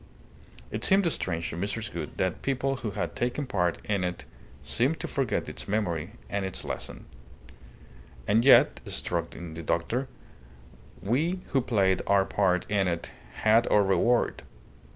It seemed strange to Mrs. Gould that people who had taken part in it seemed to forget its memory and its lesson. "And yet," struck in the doctor, "we who played our part in it had our reward.